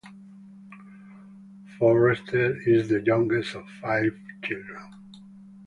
Forrester is the youngest of five children.